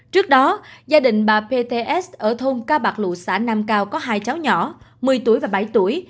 trước đó gia đình bà pts ở thôn ca bạc lụ xã nam cao có hai cháu nhỏ một mươi tuổi và bảy tuổi